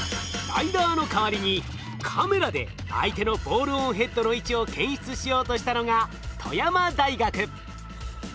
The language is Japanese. ライダーの代わりにカメラで相手のボールオンヘッドの位置を検出しようとしたのが富山大学。